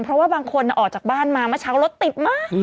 เพราะว่าบางคนออกจากบ้านมาเมื่อเช้ารถติดมาก